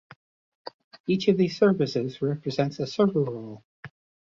Each of these services represents a server role.